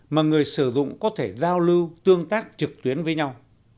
mà người sử dụng có thể giao lưu tương tác trực tuyến với nhau